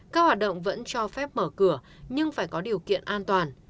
các hoạt động vẫn cho phép mở cửa nhưng phải có điều kiện an toàn